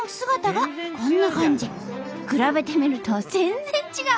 比べてみると全然違う！